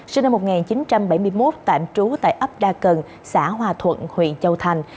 sinh năm một nghìn chín trăm bảy mươi một tạm trú tại ấp đa cần xã hòa thuận huyện châu thành